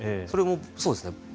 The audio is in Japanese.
それもそうですね。